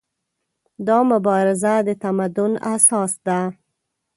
دا مبارزه د تمدن اساس ده.